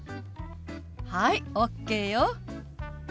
はいＯＫよ！